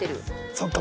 そっか。